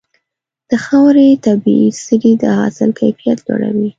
د خاورې طبيعي سرې د حاصل کیفیت لوړوي.